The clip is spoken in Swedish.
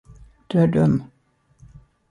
Du är dum.